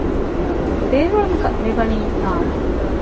ދިރިއުޅުމުގަ މިވަނީ ހުސްހިތާމަ